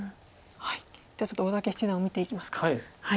じゃあちょっと大竹七段を見ていきますか。